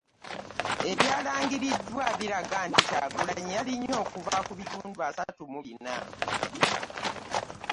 Ebyalangiriddwa biraga nti Kyagulanyi yalinnye okuva ku bitundu asatu mu Bina